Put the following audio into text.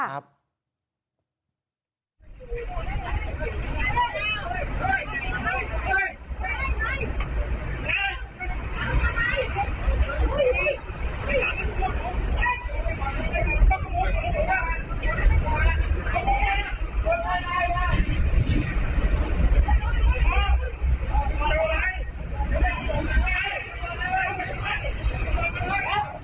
อรับทาน